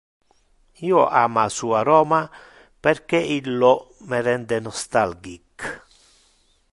Io ama su aroma perque illo me rende nostalgic.